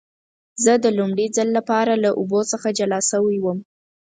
زه د لومړي ځل لپاره له اوبو څخه جلا شوی وم.